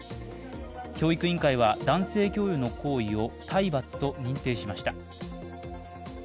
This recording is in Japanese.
教育委員会は男性教諭の行為を体罰と認定しました。